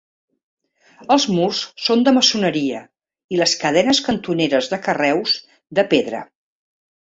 Els murs són de maçoneria i les cadenes cantoneres de carreus de pedra.